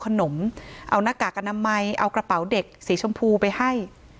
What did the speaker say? ขนมเอาหน้ากากอนามัยเอากระเป๋าเด็กสีชมพูไปให้